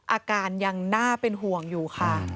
อาการยังน่าเป็นห่วงอยู่ค่ะ